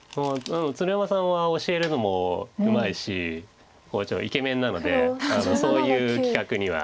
鶴山さんは教えるのもうまいしイケメンなのでそういう企画には。